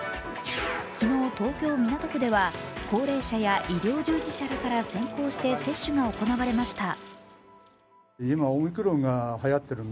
昨日、東京・港区では高齢者や医療従事者らから先行して接種が行われました。